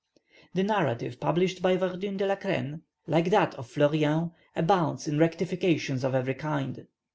The narrative published by Verdun de la Crenne, like that of Fleurien, abounds in rectifications of every kind.